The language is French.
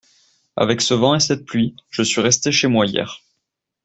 Avec ce vent et cette pluie, je suis resté chez moi hier.